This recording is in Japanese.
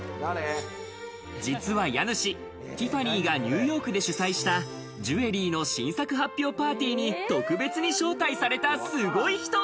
実は家主、ティファニーがニューヨークで主催したジュエリーの新作発表パーティーに特別に招待されたすごい人。